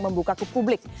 membuka ke publik